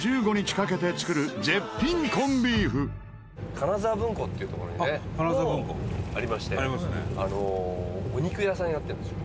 金沢文庫っていう所にねありましてお肉屋さんやってるんですよ。